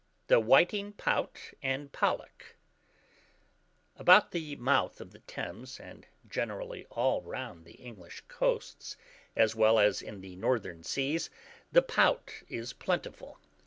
THE WHITING POUT, AND POLLACK. About the mouth of the Thames, and generally all round the English coasts, as well as in the northern seas, the pout is plentiful.